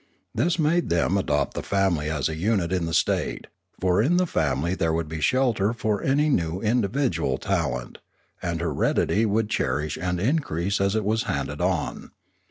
This made them adopt the family as the unit in the state, for iu the family there would be shelter for any new individual talent, and heredity would cherish and increase it as it handed it on.